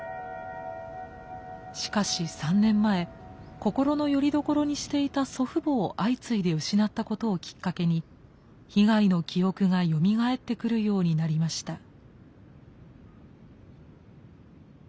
しかし３年前心のよりどころにしていた祖父母を相次いで失ったことをきっかけに被害の記憶がよみがえってくるようになりました。